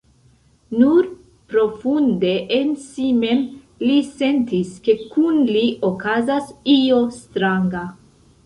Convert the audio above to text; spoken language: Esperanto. Nur profunde en si mem li sentis, ke kun li okazas io stranga.